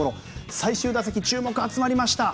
最終打席、注目が集まりました。